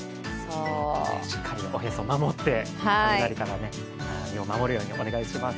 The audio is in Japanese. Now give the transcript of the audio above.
しっかりおへそ守って、雷から身を守るようお願いします。